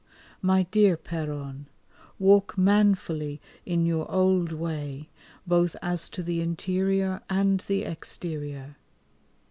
My dear Péronne, walk manfully in your old way, both as to the interior, and the exterior.